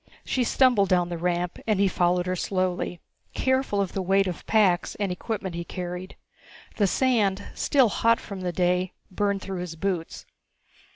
She stumbled down the ramp and he followed her slowly, careful of the weight of packs and equipment he carried. The sand, still hot from the day, burned through his boots.